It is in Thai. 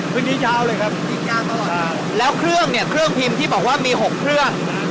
พรุ่งนี้เช้าเลยครับยินยากตลอดครับแล้วเครื่องเนี้ยเครื่องพิมพ์ที่บอกว่ามีหกเครื่อง